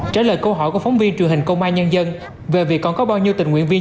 trả lời câu hỏi của phóng viên truyền hình công an nhân dân về việc còn có bao nhiêu tình nguyện viên